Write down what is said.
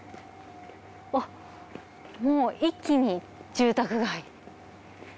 あっもう一気に住宅街。